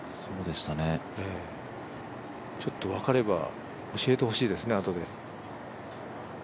ちょっと分かれば教えてほしいですね、あとで。